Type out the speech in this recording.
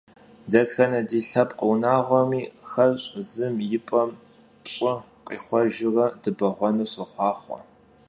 Detxene di lhepkh vunağuemi xeş' zım yi p'em pş'ı khixhuejjıre dıbeğuenu soxhuaxhue!